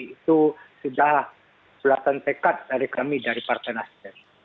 itu sudah peluatan tekat dari kami dari partai nasdem